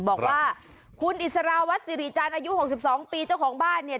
บอกว่าคุณอิสราวัสสิริจันทร์อายุ๖๒ปีเจ้าของบ้านเนี่ย